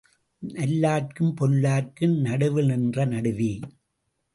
நல்லார்க்கும் பொல்லார்க்கும் நடுவில்நின்ற நடுவே!